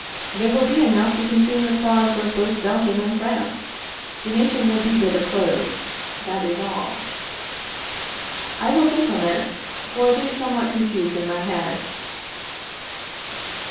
There will be enough to consume the cloths of both Belgium and France. The nation will be better clothed; that is all. I will think on this, for it is somewhat confused in my head.